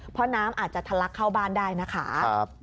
เพราะน้ำอาจจะทะลักเข้าบ้านได้นะคะ